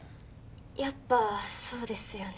やっぱそうですよね。